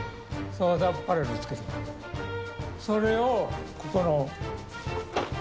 それをここの。